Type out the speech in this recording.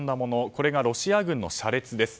これがロシア軍の車列です。